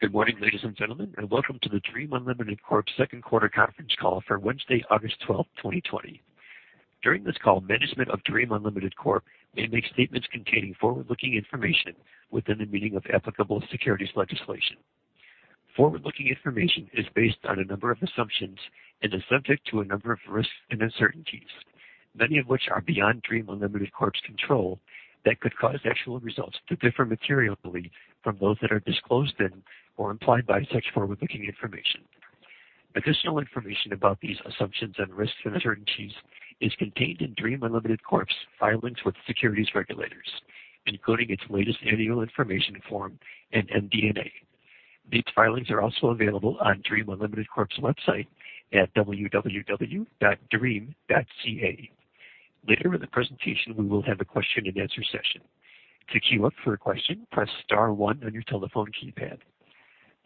Good morning, ladies and gentlemen, and welcome to the Dream Unlimited Corp.'s second quarter conference call for Wednesday, August 12, 2020. During this call, management of Dream Unlimited Corp. may make statements containing forward-looking information within the meaning of applicable securities legislation. Forward-looking information is based on a number of assumptions and is subject to a number of risks and uncertainties, many of which are beyond Dream Unlimited Corp.'s control, that could cause actual results to differ materially from those that are disclosed in or implied by such forward-looking information. Additional information about these assumptions and risks and uncertainties is contained in Dream Unlimited Corp.'s filings with securities regulators, including its latest annual information form and MD&A. These filings are also available on Dream Unlimited Corp.'s website at www.dream.ca. Later in the presentation, we will have a question and answer session.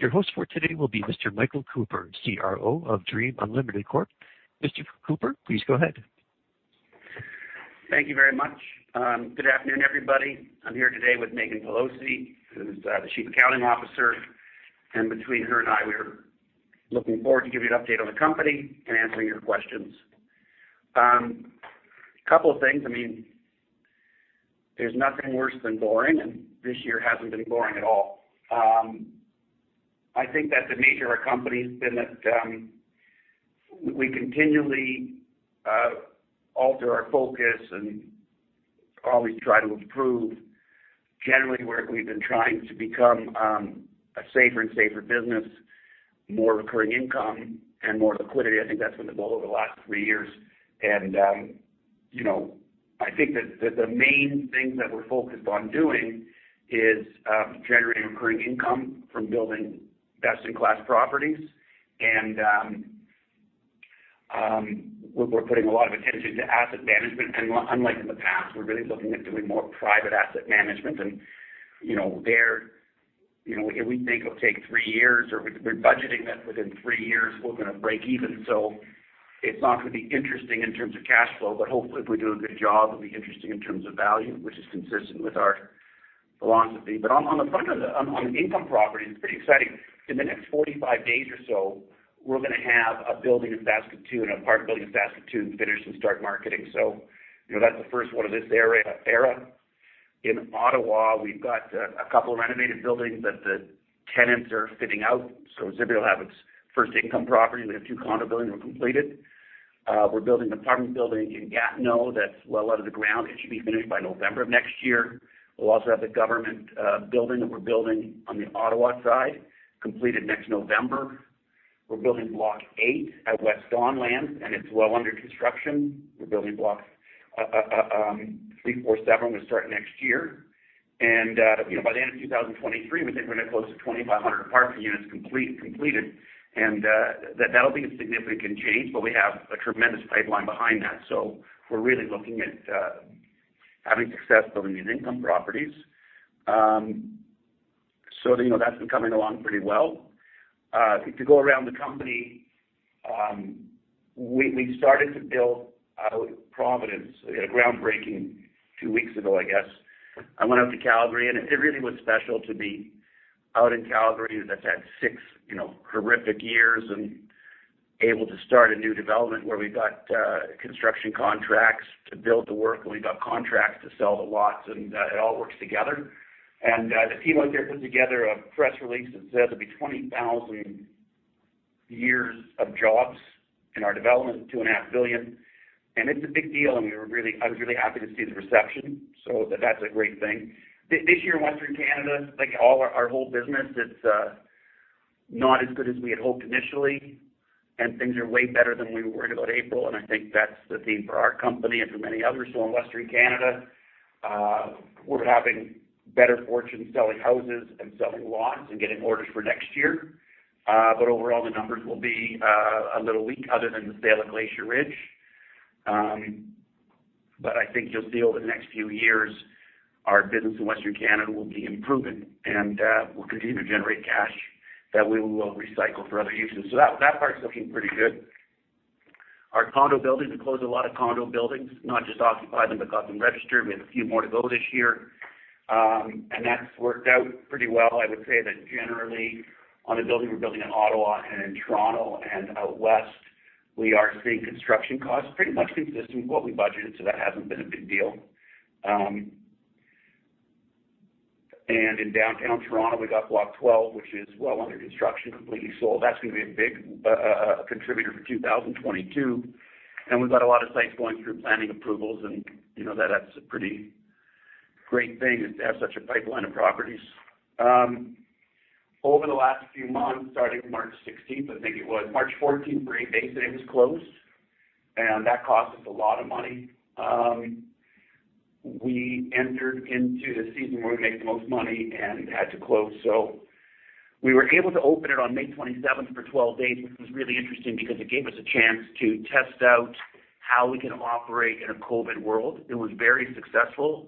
Your host for today will be Mr. Michael Cooper, CRO of Dream Unlimited Corp. Mr. Cooper, please go ahead. Thank you very much. Good afternoon, everybody. I'm here today with Meaghan Peloso, who's the Chief Financial Officer. Between her and I, we're looking forward to give you an update on the company and answering your questions. Couple of things. There's nothing worse than boring, this year hasn't been boring at all. I think that the nature of our company has been that we continually alter our focus and always try to improve. Generally, we've been trying to become a safer and safer business, more recurring income, and more liquidity. I think that's been the goal over the last three years. I think that the main thing that we're focused on doing is generating recurring income from building best-in-class properties. We're putting a lot of attention to asset management. Unlike in the past, we're really looking at doing more private asset management. We think it'll take three years, or we're budgeting that within three years, we're going to break even. It's not going to be interesting in terms of cash flow, but hopefully, if we do a good job, it'll be interesting in terms of value, which is consistent with our philosophy. On the income properties, it's pretty exciting. In the next 45 days or so, we're going to have a building in Basket Two and an apartment building in Basket Two finished and start marketing. That's the first one of this era. In Ottawa, we've got a couple of renovated buildings that the tenants are fitting out. Zibi will have its first income property. We have two condo buildings that were completed. We're building an apartment building in Gatineau that's well out of the ground. It should be finished by November of next year. We'll also have the government building that we're building on the Ottawa completed next November. We're building Block 8 at West Don Lands, and it's well under construction. We're building Blocks 3, 4, 7 we start next year. By the end of 2023, we think we're going to close to 2,500 apartment units completed. That'll be a significant change, but we have a tremendous pipeline behind that. We're really looking at having success building these income properties. That's been coming along pretty well. If you go around the company, we started to build out Providence. We had a groundbreaking two weeks ago, I guess. I went up to Calgary, it really was special to be out in Calgary that's had six horrific years and able to start a new development where we've got construction contracts to build the work, and we've got contracts to sell the lots, and it all works together. The team out there put together a press release that says there'll be 20,000 years of jobs in our development, 2.5 billion. It's a big deal, and I was really happy to see the reception. That's a great thing. This year in Western Canada, like our whole business, it's not as good as we had hoped initially, and things are way better than we were worried about April, and I think that's the theme for our company and for many others. In Western Canada, we're having better fortune selling houses and selling lots and getting orders for next year. Overall, the numbers will be a little weak other than the sale of Glacier Ridge. I think you'll see over the next few years, our business in Western Canada will be improving, and we'll continue to generate cash that we will recycle for other uses. That part's looking pretty good. Our condo buildings, we closed a lot of condo buildings, not just occupy them, but got them registered. We have a few more to go this year. That's worked out pretty well. I would say that generally on a building we're building in Ottawa and in Toronto and out West, we are seeing construction costs pretty much consistent with what we budgeted, so that hasn't been a big deal. In downtown Toronto, we got Block 12, which is well under construction, completely sold. That's going to be a big contributor for 2022. We've got a lot of sites going through planning approvals, and that's a pretty great thing is to have such a pipeline of properties. Over the last few months, starting March 16th, I think it was March 14th for eight days that it was closed, and that cost us a lot of money. We entered into the season where we make the most money and had to close. We were able to open it on May 27th for 12 days, which was really interesting because it gave us a chance to test out how we can operate in a COVID world. It was very successful.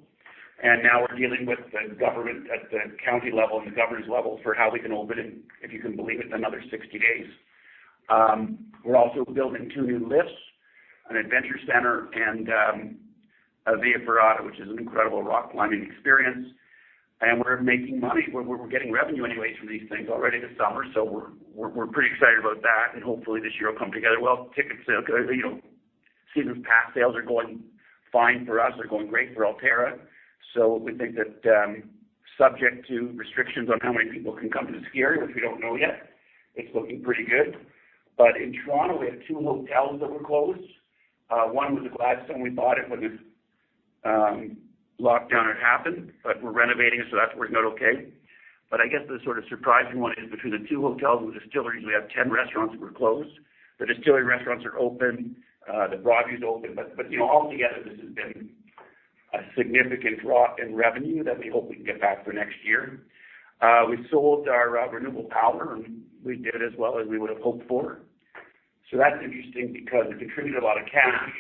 Now we're dealing with the government at the county level and the governor's level for how we can open in, if you can believe it, another 60 days. We're also building two new lifts, an adventure center, and a via ferrata, which is an incredible rock climbing experience. We're making money. We're getting revenue anyways from these things already this summer, we're pretty excited about that, hopefully this year will come together well. Season pass sales are going fine for us. They're going great for Alterra. We think that subject to restrictions on how many people can come to the ski area, which we don't know yet, it's looking pretty good. In Toronto, we have two hotels that were closed. One was a Gladstone. We bought it when this lockdown had happened, we're renovating it, that's working out okay. I guess the sort of surprising one is between the two hotels and distilleries, we have 10 restaurants that were closed. The distillery restaurants are open. The Broadview is open. Altogether, this has been a significant drop in revenue that we hope we can get back for next year. We sold our renewable power, and we did as well as we would've hoped for. That's interesting because it contributed a lot of cash,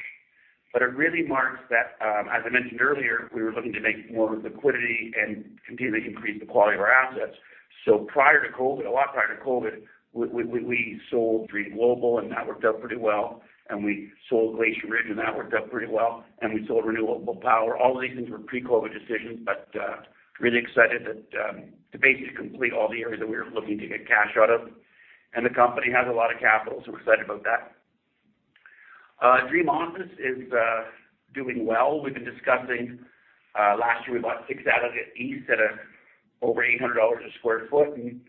but it really marks that, as I mentioned earlier, we were looking to make more liquidity and continually increase the quality of our assets. A lot prior to COVID, we sold Dream Global, and that worked out pretty well. We sold Glacier Ridge, and that worked out pretty well. We sold renewable power. All of these things were pre-COVID decisions. Really excited that the base is complete, all the areas that we were looking to get cash out of. The company has a lot of capital. We're excited about that. Dream Office is doing well. Last year, we bought 6 Adelaide Street East at over 800 dollars a sq ft.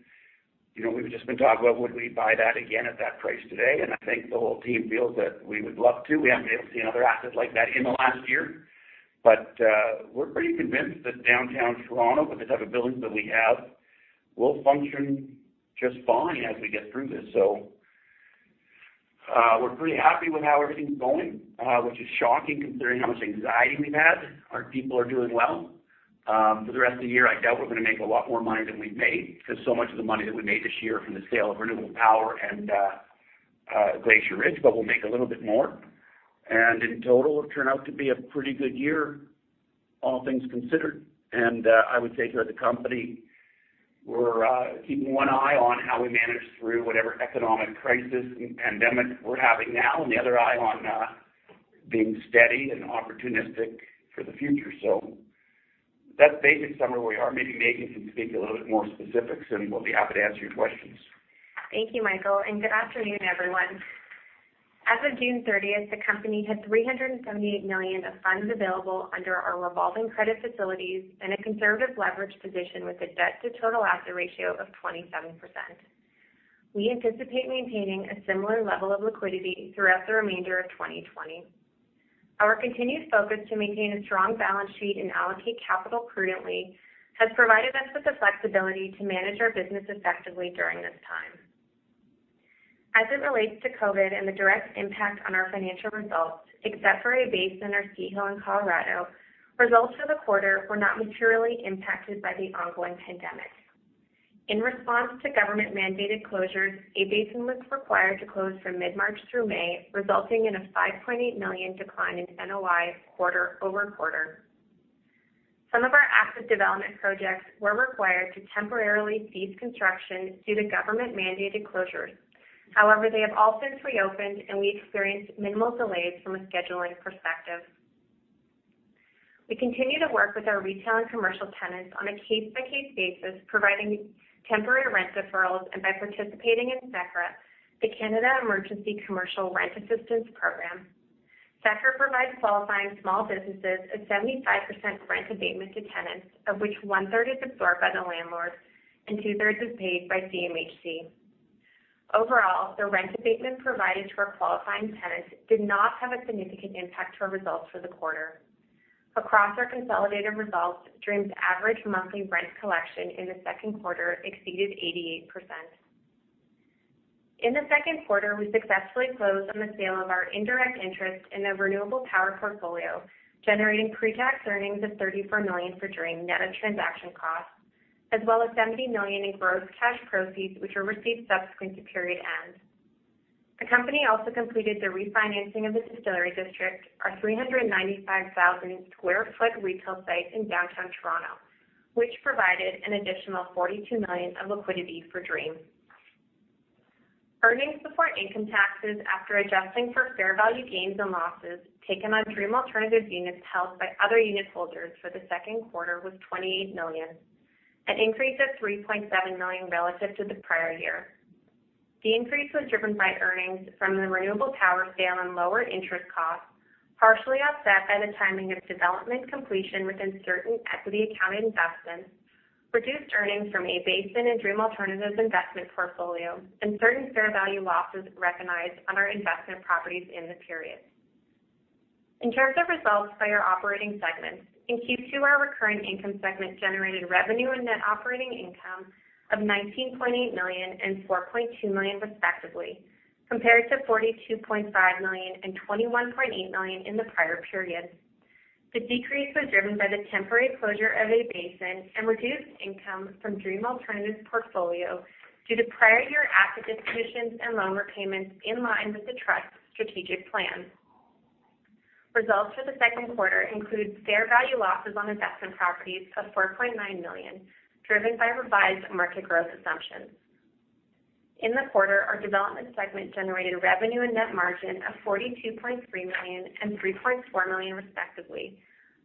We've just been talking about would we buy that again at that price today. I think the whole team feels that we would love to. We haven't been able to see another asset like that in the last year. We're pretty convinced that downtown Toronto, with the type of buildings that we have, will function just fine as we get through this. We're pretty happy with how everything's going, which is shocking considering how much anxiety we've had. Our people are doing well. For the rest of the year, I doubt we're going to make a lot more money than we've made because so much of the money that we made this year from the sale of renewable power and Glacier Ridge. We'll make a little bit more. In total, it turned out to be a pretty good year, all things considered. I would say here at the company, we're keeping one eye on how we manage through whatever economic crisis and pandemic we're having now, and the other eye on being steady and opportunistic for the future. That's basically where we are. Maybe Meaghan can speak a little bit more specifics, and we'll be happy to answer your questions. Thank you, Michael, and good afternoon, everyone. As of June 30th, the company had 378 million of funds available under our revolving credit facilities and a conservative leverage position with a debt to total asset ratio of 27%. We anticipate maintaining a similar level of liquidity throughout the remainder of 2020. Our continued focus to maintain a strong balance sheet and allocate capital prudently has provided us with the flexibility to manage our business effectively during this time. As it relates to COVID and the direct impact on our financial results, except for A-Basin or C-Hill in Colorado, results for the quarter were not materially impacted by the ongoing pandemic. In response to government-mandated closures, A-Basin was required to close from mid-March through May, resulting in a 5.8 million decline in NOI quarter-over-quarter. Some of our active development projects were required to temporarily cease construction due to government-mandated closures. However, they have all since reopened, and we experienced minimal delays from a scheduling perspective. We continue to work with our retail and commercial tenants on a case-by-case basis, providing temporary rent deferrals and by participating in CECRA, the Canada Emergency Commercial Rent Assistance program. CECRA provides qualifying small businesses a 75% rent abatement to tenants, of which one-third is absorbed by the landlord and two-thirds is paid by CMHC. Overall, the rent abatement provided to our qualifying tenants did not have a significant impact to our results for the quarter. Across our consolidated results, Dream's average monthly rent collection in the second quarter exceeded 88%. In the second quarter, we successfully closed on the sale of our indirect interest in the renewable power portfolio, generating pre-tax earnings of 34 million for Dream net of transaction costs, as well as 70 million in gross cash proceeds, which were received subsequent to period end. The company also completed the refinancing of the Distillery District, our 395,000 square foot retail site in downtown Toronto, which provided an additional 42 million of liquidity for Dream. Earnings before income taxes, after adjusting for fair value gains and losses taken on Dream Alternatives units held by other unit holders for the second quarter was 28 million, an increase of 3.7 million relative to the prior year. The increase was driven by earnings from the renewable power sale and lower interest costs, partially offset by the timing of development completion within certain equity account investments, reduced earnings from A-Basin and Dream Alternatives investment portfolio, and certain fair value losses recognized on our investment properties in the period. In terms of results by our operating segments, in Q2, our recurring income segment generated revenue and net operating income of 19.8 million and 4.2 million respectively, compared to 42.5 million and 21.8 million in the prior period. The decrease was driven by the temporary closure of A-Basin and reduced income from Dream Alternatives portfolio due to prior year asset dispositions and loan repayments in line with the trust's strategic plan. Results for the second quarter include fair value losses on investment properties of 4.9 million, driven by revised market growth assumptions. In the quarter, our development segment generated revenue and net margin of 42.3 million and 3.4 million respectively,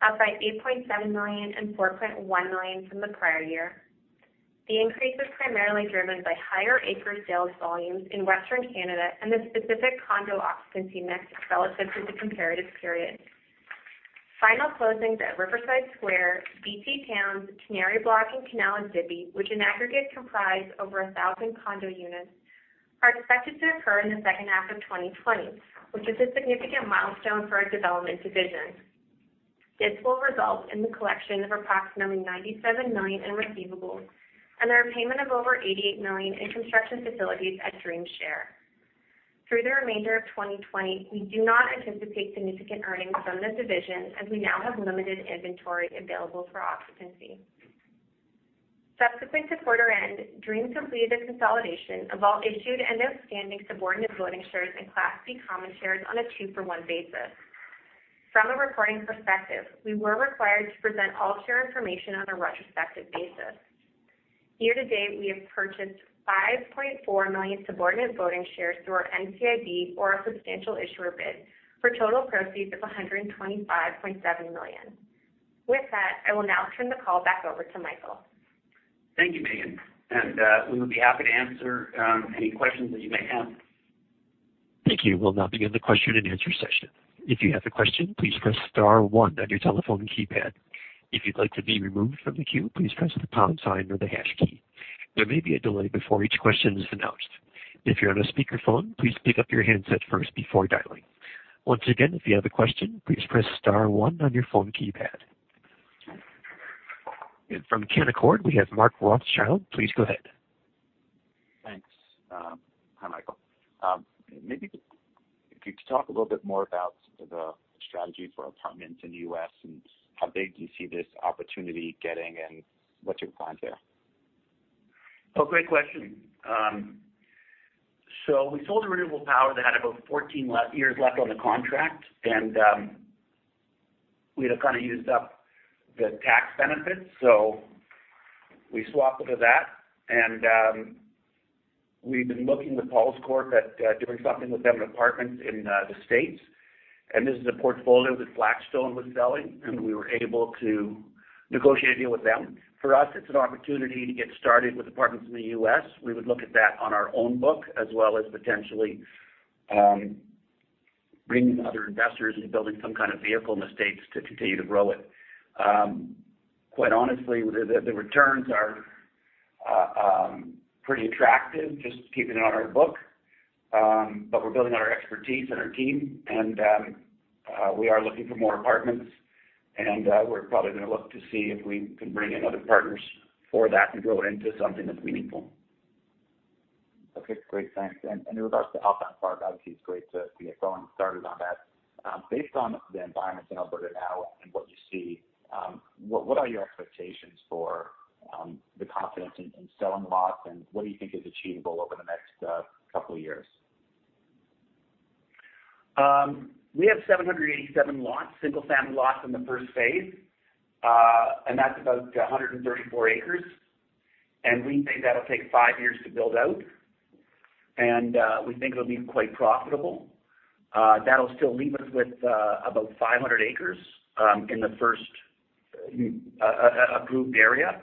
up by 8.7 million and 4.1 million from the prior year. The increase was primarily driven by higher acre sales volumes in Western Canada and the specific condo occupancy mix relative to the comparative period. Final closings at Riverside Square, BRowns, Canary Block and Canal at Zibi, which in aggregate comprise over 1,000 condo units, are expected to occur in the second half of 2020, which is a significant milestone for our development division. This will result in the collection of approximately 97 million in receivables and the repayment of over 88 million in construction facilities at Dream Share. Through the remainder of 2020, we do not anticipate significant earnings from this division as we now have limited inventory available for occupancy. Subsequent to quarter end, Dream completed the consolidation of all issued and outstanding subordinate voting shares and Class B common shares on a two-for-one basis. From a reporting perspective, we were required to present all share information on a retrospective basis. Year-to-date, we have purchased 5.4 million subordinate voting shares through our NCIB or a substantial issuer bid, for total proceeds of 125.7 million. With that, I will now turn the call back over to Michael. Thank you, Meaghan, and we would be happy to answer any questions that you may have. Thank you. We'll now begin the question and answer session. If you have a question, please press star one on your telephone keypad. If you'd like to be removed from the queue, please press the pound sign or the hash key. There may be a delay before each question is announced. If you're on a speakerphone, please pick up your handset first before dialing. Once again, if you have a question, please press star one on your phone keypad. From Canaccord, we have Mark Rothschild. Please go ahead. Thanks. Hi, Michael. Maybe if you could talk a little bit more about the strategy for apartments in the U.S. and how big you see this opportunity getting and what's your plan there? Oh, great question. We sold the renewable power that had about 14 yrs left on the contract, and we'd kind of used up the tax benefits. We'd been looking with Pauls Corp at doing something with them in apartments in the U.S. This is a portfolio that Blackstone was selling, and we were able to negotiate a deal with them. For us, it's an opportunity to get started with apartments in the U.S. We would look at that on our own book, as well as potentially bringing other investors and building some kind of vehicle in the U.S. to continue to grow it. Quite honestly, the returns are pretty attractive just keeping it on our book. We're building out our expertise and our team, and we are looking for more apartments. We're probably going to look to see if we can bring in other partners for that to grow it into something that's meaningful. Okay, great. Thanks. In regards to Alpine Park, obviously it's great to be getting started on that. Based on the environment in Alberta now and what you see, what are your expectations for the confidence in selling lots, and what do you think is achievable over the next couple of years? We have 787 lots, single-family lots in the first phase. That's about 134 acres, and we think that'll take five years to build out. We think it'll be quite profitable. That'll still leave us with about 500 acres in the first approved area.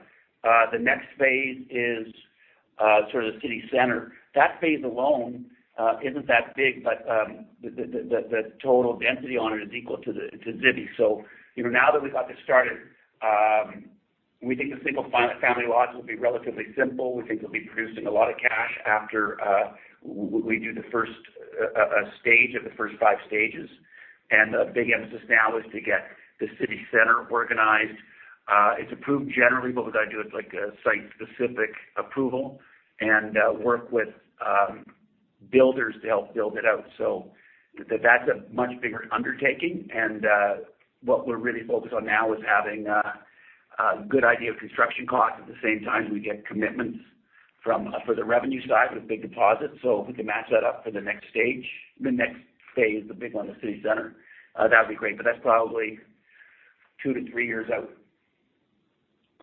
The next phase is sort of the city center. That phase alone isn't that big, but the total density on it is equal to Zibi. Now that we've got this started, we think the single-family lots will be relatively simple. We think we'll be producing a lot of cash after we do the first stage of the first 5 stages. A big emphasis now is to get the city center organized. It's approved generally, but we've got to do a site-specific approval and work with builders to help build it out, so that's a much bigger undertaking. What we're really focused on now is having a good idea of construction costs at the same time as we get commitments for the revenue side with a big deposit. If we can match that up for the next stage, the next phase, the big one, the city center, that would be great. That's probably two to three years out.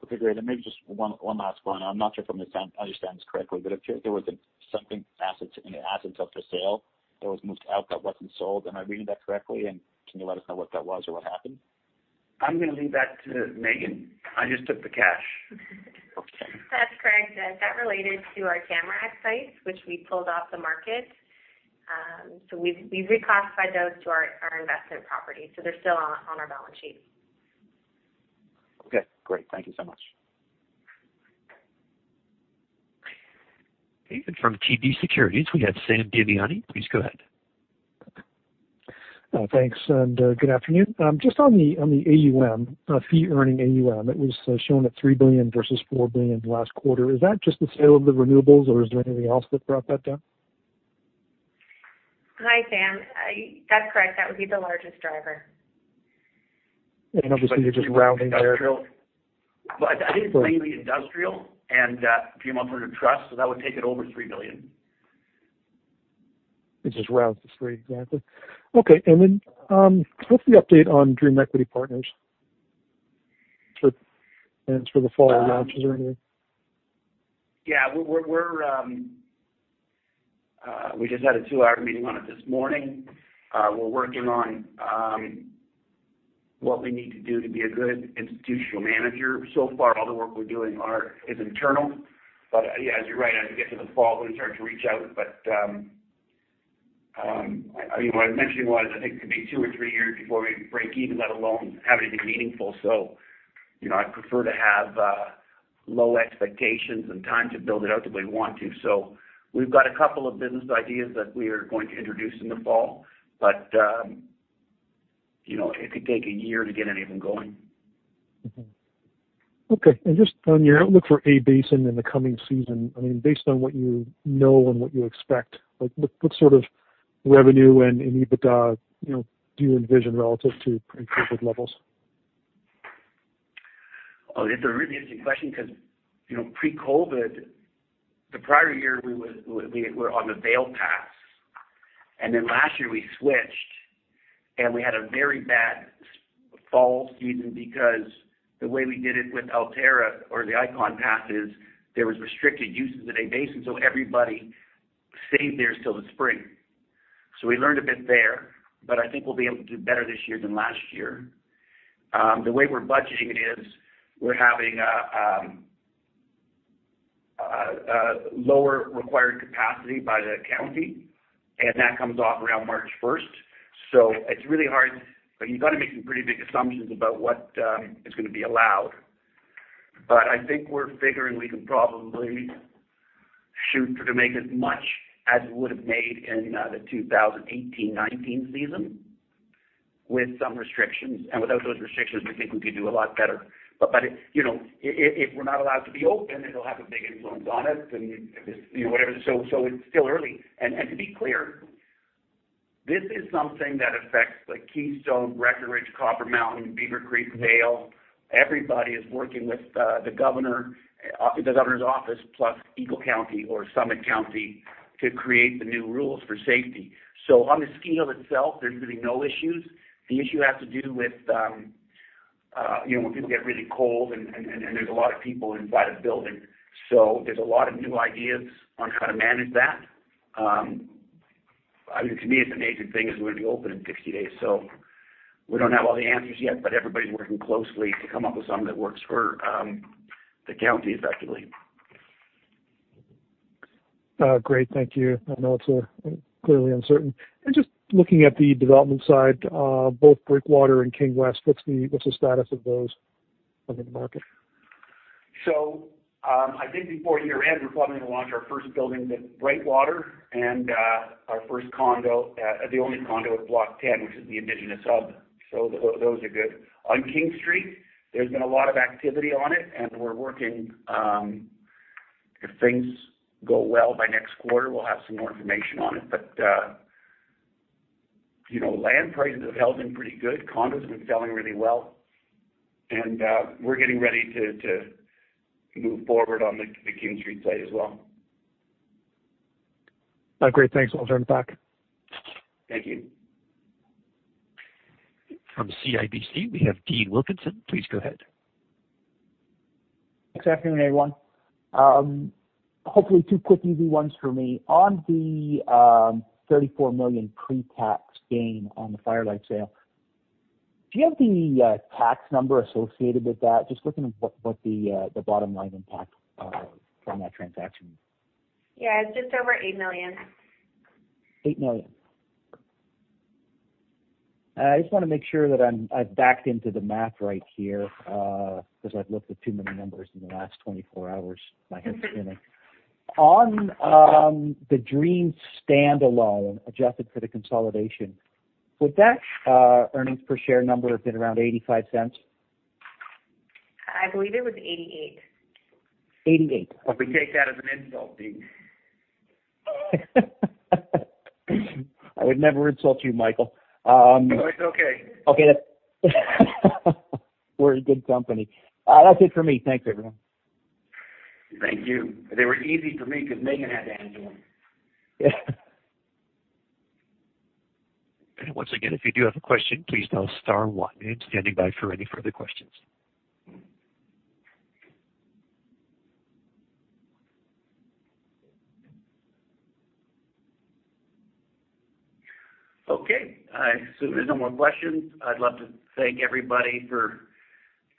Okay, great. Maybe just one last one. I'm not sure if I understand this correctly, but it appears there was something assets in assets up for sale that was moved out that wasn't sold. Am I reading that correctly? Can you let us know what that was or what happened? I'm going to leave that to Meaghan. I just took the cash. Okay. That's correct. That related to our Tamarack sites, which we pulled off the market. We've reclassified those to our investment properties, so they're still on our balance sheet. Okay, great. Thank you so much. Okay. From TD Securities, we got Sam Damiani. Please go ahead. Thanks, good afternoon. Just on the AUM, fee-earning AUM, it was shown at 3 billion versus 4 billion last quarter. Is that just the sale of the renewables, or is there anything else that brought that down? Hi, Sam. That's correct. That would be the largest driver. I'm just assuming you're just rounding there. I think it's mainly industrial and Dream Unlimited Corp., so that would take it over 3 billion. It just rounds to three. Got it. Okay. What's the update on Dream Equity Partners for the fall launches or anything? Yeah. We just had a two-hour meeting on it this morning. We're working on what we need to do to be a good institutional manager. So far, all the work we're doing is internal. Yeah, you're right, as we get to the fall, we're going to start to reach out. What I mentioned was, I think it could be two or three years before we break even, let alone have anything meaningful. I'd prefer to have low expectations and time to build it out the way we want to. We've got a couple of business ideas that we are going to introduce in the fall. It could take a year to get any of them going. Mm-hmm. Okay. Just on your outlook for A-Basin in the coming season, based on what you know and what you expect, what sort of revenue and EBITDA do you envision relative to pre-COVID levels? Oh, that's a really interesting question because pre-COVID, the prior year, we were on the Vail pass. Last year we switched, and we had a very bad fall season because the way we did it with Alterra or the Ikon Pass is there was restricted uses at A-Basin, so everybody stayed there till the spring. We learned a bit there, but I think we'll be able to do better this year than last year. The way we're budgeting it is we're having a lower required capacity by the county, and that comes off around March 1st. It's really hard. You've got to make some pretty big assumptions about what is going to be allowed. I think we're figuring we can probably shoot for to make as much as we would've made in the 2018-2019 season with some restrictions. Without those restrictions, we think we could do a lot better. If we're not allowed to be open, it'll have a big influence on us and whatever. It's still early. To be clear, this is something that affects Keystone, Breckenridge, Copper Mountain, Beaver Creek, Vail. Everybody is working with the governor's office, plus Eagle County or Summit County, to create the new rules for safety. On the ski hill itself, there's really no issues. The issue has to do with when people get really cold and there's a lot of people inside a building. There's a lot of new ideas on how to manage that. To me, it's a major thing is we want to be open in 60 days. We don't have all the answers yet, but everybody's working closely to come up with something that works for the county effectively. Great. Thank you. I know it's clearly uncertain. Just looking at the development side, both Brightwater and King West, what's the status of those on the market? I think before year-end, we're probably going to launch our first building with Brightwater and our first condo, the only condo at Block 10, which is the Indigenous hub. On King Street, there's been a lot of activity on it, and if things go well, by next quarter, we'll have some more information on it. Land prices have held in pretty good. Condos have been selling really well, and we're getting ready to move forward on the King Street site as well. Great. Thanks. I'll return it back. Thank you. From CIBC, we have Dean Wilkinson. Please go ahead. Good afternoon, everyone. Hopefully two quick easy ones for me. On the 34 million pre-tax gain on the Firelight sale, do you have the tax number associated with that? Just looking at what the bottom line impact from that transaction is. Yeah, it's just over 8 million. 8 million. I just want to make sure that I've backed into the math right here, because I've looked at too many numbers in the last 24 hrs. My head's spinning. On the Dream standalone, adjusted for the consolidation, would that earnings per share number have been around 0.85? I believe it was 88. Okay. We take that as an insult, Dean. I would never insult you, Michael. No, it's okay. Okay. We're in good company. That's it for me. Thanks, everyone. Thank you. They were easy for me because Meaghan had to answer them. Yeah. Once again, if you do have a question, please dial star one. I'm standing by for any further questions. Okay. I assume there's no more questions. I'd love to thank everybody for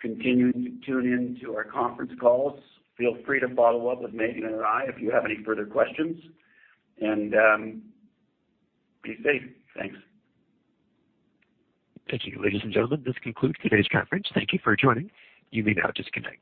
continuing to tune in to our conference calls. Feel free to follow up with Meaghan or I if you have any further questions. Be safe. Thanks. Thank you. Ladies and gentlemen, this concludes today's conference. Thank you for joining. You may now disconnect.